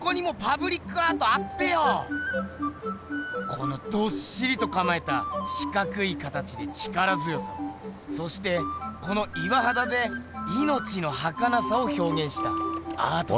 このどっしりとかまえた四角い形で力強さをそしてこの岩はだでいのちのはかなさをひょうげんしたアート作品。